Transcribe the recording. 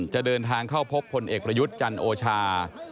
จะเดินทางเข้าพบพลเอกประยุทธ์จันโอชา